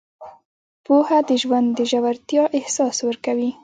پوهه د ژوند د ژورتیا احساس ورکوي.